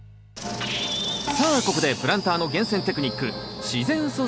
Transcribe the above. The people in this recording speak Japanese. さあここでプランターの厳選テクニック